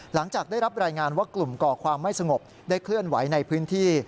หลังจากได้รับรายงานว่ากลุ่มก่อความไม่สงบได้เคลื่อนไหวในพื้นที่